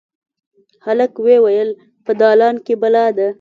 هلک ویې ویل: «په دالان کې بلا ده.»